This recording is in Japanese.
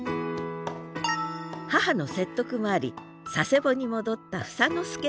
母の説得もあり佐世保に戻った房の輔さん。